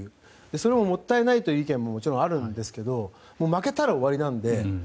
それはもったいないという意見ももちろんあるんですが負けたら終わりなので。